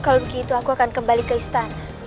kalau begitu aku akan kembali ke istana